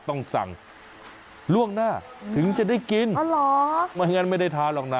ต้องสั่งล่วงหน้าถึงจะได้กินอ๋อเหรอไม่งั้นไม่ได้ทานหรอกนะ